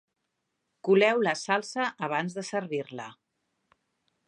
Coleu la salsa abans de servir-la.